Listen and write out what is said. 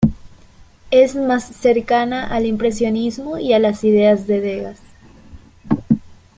Es más cercana al impresionismo y a las ideas de Degas.